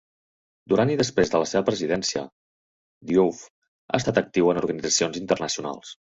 Durant i després de la seva presidència, Diouf ha estat actiu en organitzacions internacionals.